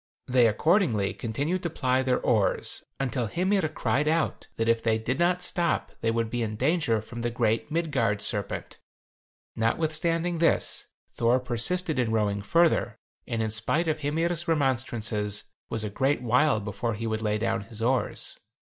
They accordingly continued to ply their oars, until Hymir cried out that if they did not stop they would be in danger from the great Midgard serpent. Notwithstanding this, Thor persisted in rowing further, and in spite of Hymir's remonstrances was a great while before he would lay down his oars.